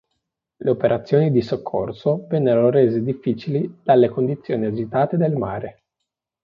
Le operazioni di soccorso vennero rese difficili dalle condizioni agitate del mare.